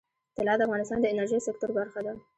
طلا د افغانستان د انرژۍ سکتور برخه ده.